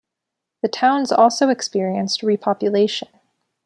The towns also experienced repopulation.